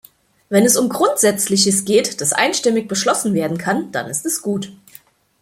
Wenn es um Grundsätzliches geht, das einstimmig beschlossen werden kann, dann ist es gut.